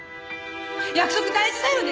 約束大事だよね？